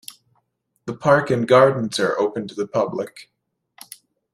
The Park and Gardens are open to the public.